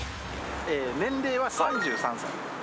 年齢は３３歳。